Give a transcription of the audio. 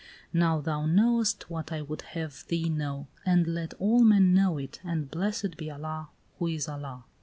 "Now thou knowest what I would have thee know, and let all men know it, and blessed be Allah who is Allah!